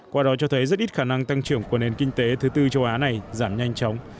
qua đó cho thấy rất ít khả năng tăng trưởng của nền kinh tế thứ tư châu á này giảm nhanh chóng